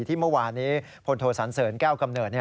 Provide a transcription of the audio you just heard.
เมื่อวานนี้พลโทสันเสริญแก้วกำเนิด